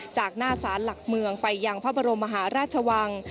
จากหน้าศาลหลักเมืองไปยังพระบรมมหาราชวัง